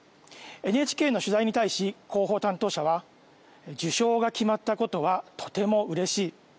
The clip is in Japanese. ＮＨＫの取材に対し広報担当者は受賞が決まったことはとてもうれしい。